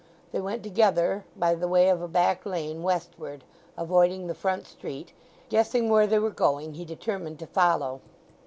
They went together by the way of a back lane westward, avoiding the front street; guessing where they were going he determined to follow.